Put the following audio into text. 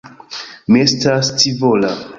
Mi estas scivola.